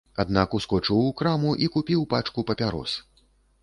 Аднак ускочыў у краму і купіў пачку папярос.